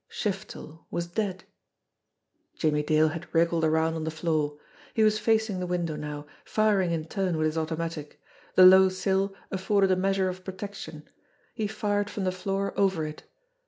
Shiftel was dead ! Jimmie Dale had wriggled around on the floor. He was facing the window now, firing in turn with his automatic. The low sill afforded a measure of protection. He fired from the floor over it.